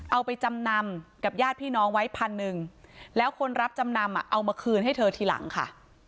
เอาไปจำนำกับญาติพี่น้องไว้พันหนึ่งแล้วคนรับจำนำเอามาคืนให้เธอทีหลังค่ะ